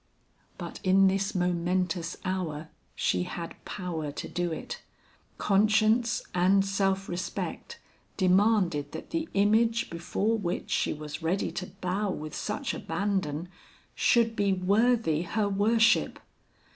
But in this momentous hour she had power to do it. Conscience and self respect demanded that the image before which she was ready to bow with such abandon, should be worthy her worship.